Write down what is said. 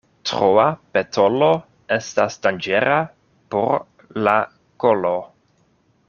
Troa petolo estas danĝera por la kolo.